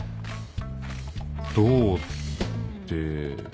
どうって。